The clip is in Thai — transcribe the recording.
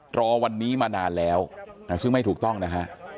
รอวันนี้มานานแล้วซึ่งไม่ถูกต้องนะฮะ